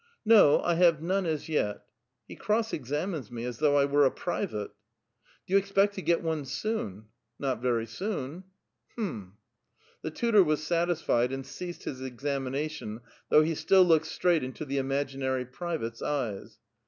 '' No, I have none as yet. (He cross examines me as though I were a private !)"*' Do you expect to get one soon ?"" Not very soon." *' Hm !" The tutor was satisfied, and ceased his examination, though he still looked straight into the imaginary private's eyes.